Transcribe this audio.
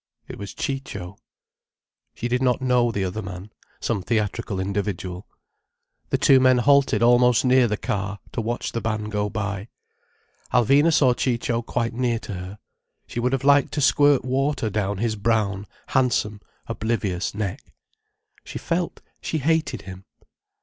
It was Ciccio. She did not know the other man; some theatrical individual. The two men halted almost near the car, to watch the band go by. Alvina saw Ciccio quite near to her. She would have liked to squirt water down his brown, handsome, oblivious neck. She felt she hated him.